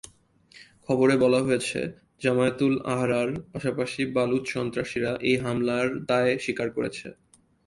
খবরে বলা হয়েছে, জামায়াত-উল-আহরার পাশাপাশি বালুচ সন্ত্রাসীরা এই হামলার দায় স্বীকার করেছে।